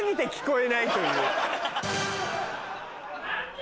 え。